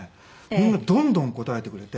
みんなどんどん答えてくれて。